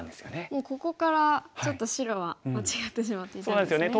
もうここからちょっと白は間違ってしまっていたんですね。